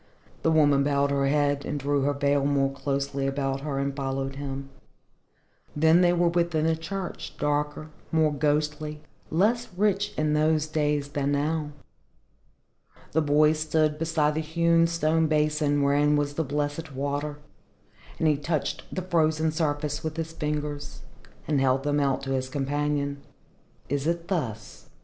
The woman bowed her head and drew her veil more closely about her and followed him. Then they were within the church, darker, more ghostly, less rich in those days than now. The boy stood beside the hewn stone basin wherein was the blessed water, and he touched the frozen surface with his fingers, and held them out to his companion. "Is it thus?"